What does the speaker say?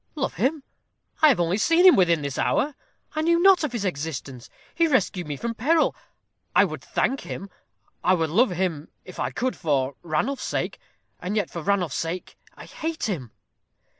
"Love him! I have only seen him within this hour. I knew not of his existence. He rescued me from peril. I would thank him. I would love him, if I could, for Ranulph's sake; and yet for Ranulph's sake I hate him."